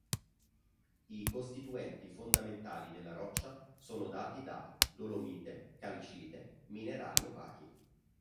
I costituenti fondamentali della roccia sono dati da Dolomite, Calcite, Minerali opachi.